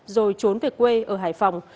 rồi trốn về quê ở hải phòng